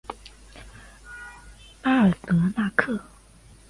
巴尔德纳克。